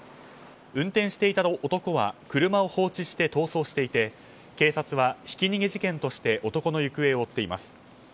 運転していた男は車を放置して逃走していて警察はひき逃げ事件として男の行方を追っています。